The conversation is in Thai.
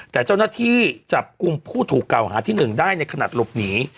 แต่เจ้าหน้าที่จับกลุ่มผู้ถูกเก่าหาที่๑ได้ในขณะหลบหนี